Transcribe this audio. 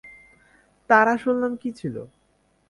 তার আসল নাম কী ছিল?